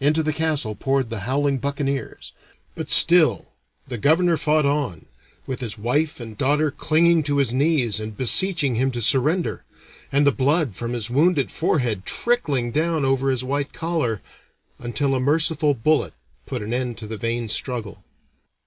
Into the castle poured the howling buccaneers. But still the governor fought on, with his wife and daughter clinging to his knees and beseeching him to surrender, and the blood from his wounded forehead trickling down over his white collar, until a merciful bullet put an end to the vain struggle.